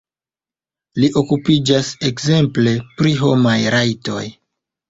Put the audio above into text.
Li okupiĝas ekzemple pri homaj rajtoj.